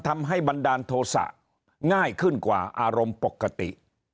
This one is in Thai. บันดาลโทษะง่ายขึ้นกว่าอารมณ์ปกติ